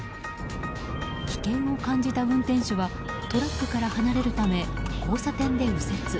危険を感じた運転手はトラックから離れるため交差点で右折。